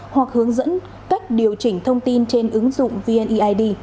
hoặc hướng dẫn cách điều chỉnh thông tin trên ứng dụng vneid